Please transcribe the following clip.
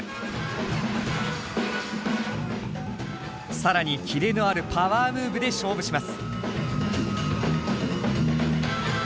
更にキレのあるパワームーブで勝負します。